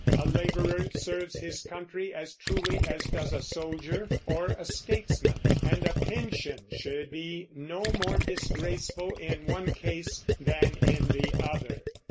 A laborer serves his country as truly as does a soldier or a statesman, and a pension should be no more disgraceful in one case than in the other.